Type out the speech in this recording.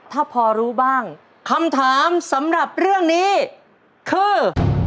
ถ้าพอรู้บ้างคำถามสำหรับเรื่องนี้คือ